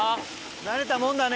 慣れたもんだね。